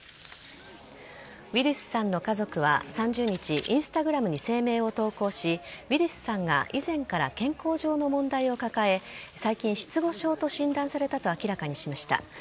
ウィリスさんの家族は３０日Ｉｎｓｔａｇｒａｍに声明を投稿しウィリスさんが以前から健康上の問題を抱え最近、失語症と診断されたと明らかにしました。